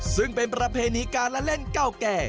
ซึ่งเป็นประเพณีการละเล่นเก่าแก่